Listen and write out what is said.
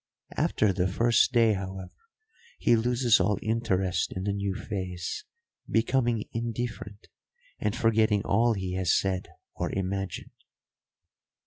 After the first day, however, he loses all interest in the new face, becoming indifferent, and forgetting all he has said or imagined."